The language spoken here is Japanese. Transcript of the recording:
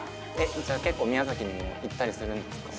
じゃあ結構宮崎にも行ったりするんですか？